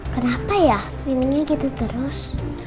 kenapa ya pimmingnya gitu terus